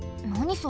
それ。